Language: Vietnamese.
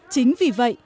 chính vì vậy